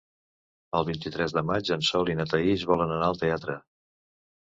El vint-i-tres de maig en Sol i na Thaís volen anar al teatre.